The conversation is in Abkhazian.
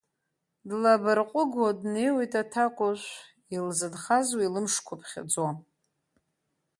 Длабарҟыгәуа днеиуеит аҭакәажә, илзынхаз уи лымшқәа ԥхьаӡо.